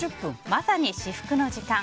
まさに至福の時間。